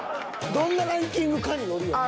どんなランキングかによるよな。